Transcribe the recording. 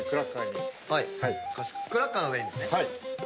クラッカーの上にですね。